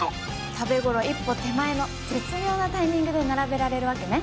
食べ頃一歩手前の絶妙なタイミングで並べられるわけね。